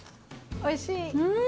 おいしい！